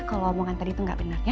kalau omongan tadi itu gak bener ya